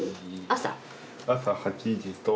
朝８時と。